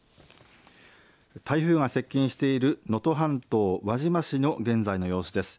台風が接近している能登半島輪島市の現在の様子です。